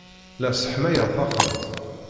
La sseḥmayeɣ taxxamt.